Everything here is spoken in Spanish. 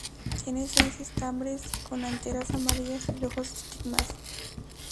Tiene seis estambres con anteras amarillas y rojos estigmas.